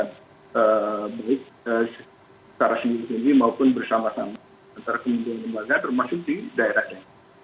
antara pembinaan lembaga termasuk di daerahnya